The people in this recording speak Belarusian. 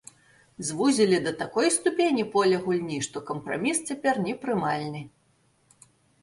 Звузілі да такой ступені поле гульні, што кампраміс цяпер непрымальны.